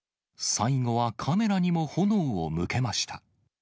最後はカメラにも炎を向けました。